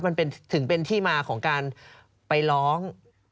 มันถึงเป็นที่มาของการไปร้อง